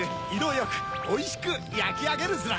よくおいしくやきあげるヅラ。